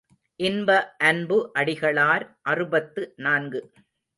இன்ப அன்பு அடிகளார் அறுபத்து நான்கு.